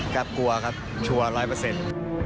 กลัวครับชัวร์ร้อยเปอร์เซ็นต์